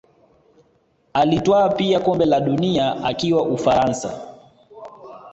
Alitwaa pia kombe la dunia akiwa Ufaransa